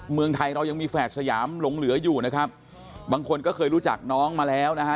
เมืองไทยเรายังมีแฝดสยามหลงเหลืออยู่นะครับบางคนก็เคยรู้จักน้องมาแล้วนะฮะ